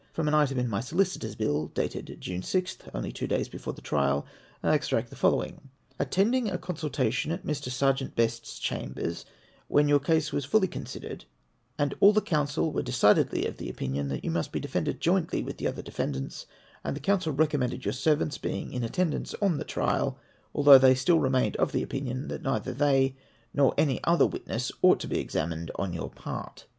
f From an item in my solicitor's bill, dated June 0th, only two days before the trial, I extract the following :" iVttending a consultation at Mr. Serjeant Best's chambers, when your case was fully considered, and all the counsel were decidedly of opinion that you must be defended jointly with the other defendants ; and the counsel recommended your servants being in attendance on the trial, although they still remained of opinion that neither they nor any other witness ought to be examined on your part."